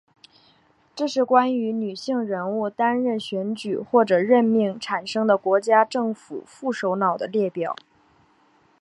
这是关于女性人物担任选举或者任命产生的国家政府副首脑的列表。